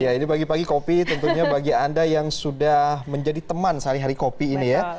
ya ini pagi pagi kopi tentunya bagi anda yang sudah menjadi teman sehari hari kopi ini ya